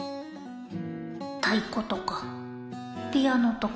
たいことかピアノとか。